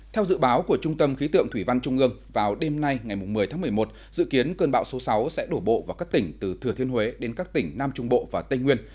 theo dự báo của trung tâm khí tượng thủy văn trung ương vào đêm nay ngày một mươi tháng một mươi một dự kiến cơn bão số sáu sẽ đổ bộ vào các tỉnh từ thừa thiên huế đến các tỉnh nam trung bộ và tây nguyên